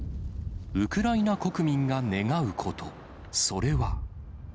ウクライナ国民が願うこと、それは。